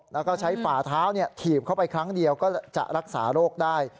แล้วก็ใช้ฝ่าเท้าถีบเข้าไปครั้งเดียวก็จะรักษาโรคได้